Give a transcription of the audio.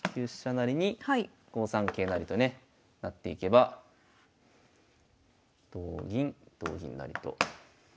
成に５三桂成とねなっていけば同銀同銀成と。